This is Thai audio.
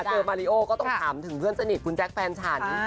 เจอมาริโอก็ต้องถามถึงเพื่อนสนิทคุณแจ๊คแฟนฉัน